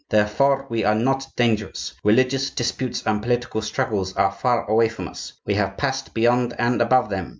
Therefore we are not dangerous. Religious disputes and political struggles are far away from us; we have passed beyond and above them.